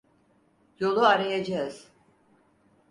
Yolu arayacağız!